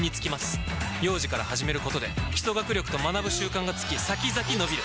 幼児から始めることで基礎学力と学ぶ習慣がつき先々のびる！